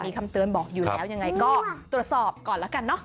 มีคำเตือนบอกอยู่แล้วยังไงก็ตรวจสอบก่อนแล้วกันเนอะ